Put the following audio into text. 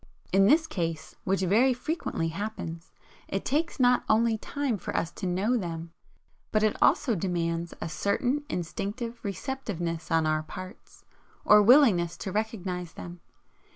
In this case (which very frequently happens) it takes not only time for us to know them, but it also demands a certain instinctive receptiveness on our parts, or willingness to recognise them.